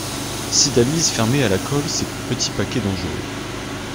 Cydalise fermait à la colle ces petits paquets dangereux.